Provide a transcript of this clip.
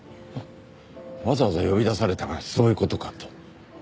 わざわざ呼び出されたのはそういう事かと。